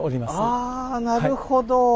ああなるほど。